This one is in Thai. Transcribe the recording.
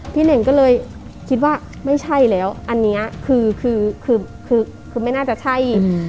เน่งก็เลยคิดว่าไม่ใช่แล้วอันนี้คือคือไม่น่าจะใช่